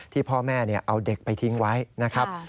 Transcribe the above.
ที่พ่อแม่เอาเด็กไปทิ้งไว้นะครับ